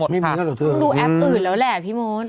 คุณดูแอปอื่นแล้วแหละพี่โมศ